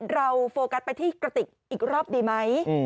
โฟกัสไปที่กระติกอีกรอบดีไหม